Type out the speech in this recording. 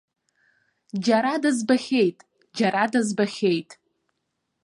Џьара дызбахьеит, џьара дызбахьеит.